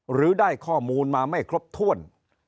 หรือได้ข้อมูลมาไม่ครบถ้วน